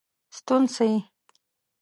ستون سي.